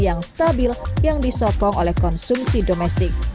yang stabil yang disokong oleh konsumsi domestik